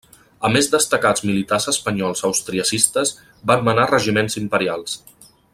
A més destacats militars espanyols austriacistes van manar regiments imperials.